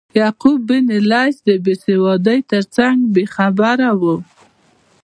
یعقوب بن لیث د بیسوادۍ ترڅنګ بې خبره و.